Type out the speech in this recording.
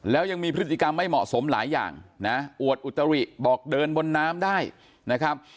แล้วยังมีพฤติกรรมไม่เหมาะสมหลายอย่างนะอวดอุตริบอกเดินบนน้ำได้นะครับ